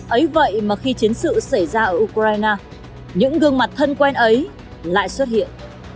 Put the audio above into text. ấy vậy mà khi chiến sự xảy ra ở ukraine những gương mặt thân quen ấy lại xuất hiện